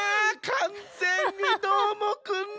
かんぜんにどーもくんの。